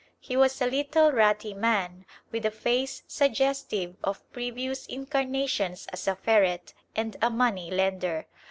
He was a little ratty man with a face suggestive of previous incarnations as a ferret and a money lender.